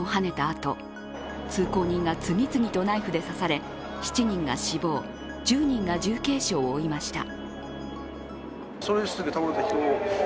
あと通行人が次々とナイフで刺され、７人が死亡、１０人が重軽傷を負いました。